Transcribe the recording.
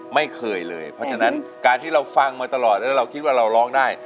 แล้วกันการที่เราฟังมาตลอดแล้วเราคิดว่าเราร้องได้